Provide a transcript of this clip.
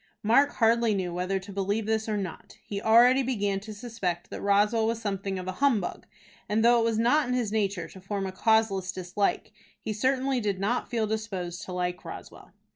Mark hardly knew whether to believe this or not. He already began to suspect that Roswell was something of a humbug, and though it was not in his nature to form a causeless dislike, he certainly did not feel disposed to like Roswell.